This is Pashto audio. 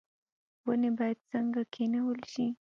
ونې باید څنګه کینول شي؟